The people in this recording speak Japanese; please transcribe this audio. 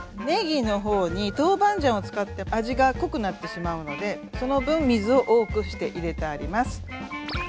ねぎの方に豆板醤を使って味が濃くなってしまうのでその分水を多くして入れてあります。